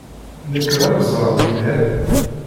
Nekk d amezraw yelhan.